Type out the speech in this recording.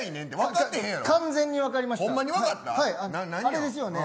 あれですよね